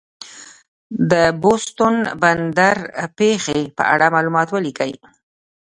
د بوستون بندر پېښې په اړه معلومات ولیکئ.